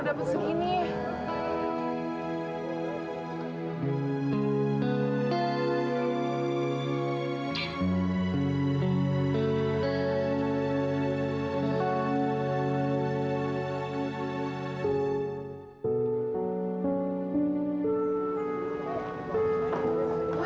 kamu mau berusaha